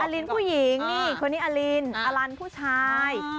ลินผู้หญิงนี่คนนี้อลินอลันผู้ชาย